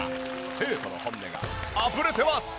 生徒の本音があふれてます！